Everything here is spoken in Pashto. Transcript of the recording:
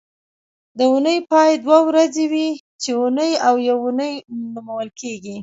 د اونۍ پای دوه ورځې وي چې اونۍ او یونۍ نومول کېږي